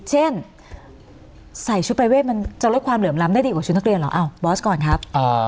เช่นใส่ชุดประเวทมันจะลดความเหลื่อมล้ำได้ดีกว่าชุดนักเรียนเหรออ้าวบอสก่อนครับ